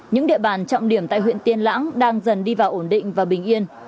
những địa bàn trọng điểm tại huyện tiên lãng đang dần đi vào ổn định và bình yên